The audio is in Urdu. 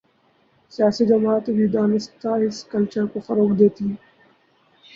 سیاسی جماعتیں بھی دانستہ اس کلچرکو فروغ دیتی ہیں۔